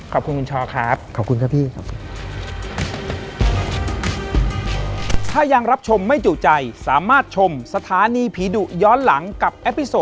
ขอบคุณคุณชอบครับ